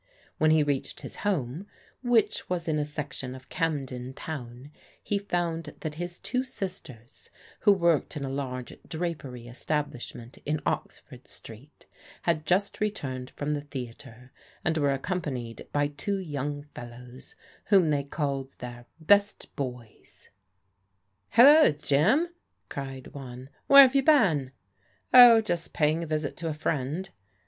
When he reached his home, which was in a section of Camden Town, he found that his two sisters, who worked in a large drapery establishment in Oxford Street, had just returned from the theatre and were ac companied by two young fellows, whom they called their " best boys." " Hello, Jim," cried one, " where have you been? '*" Oh, just paying a visit to a friend."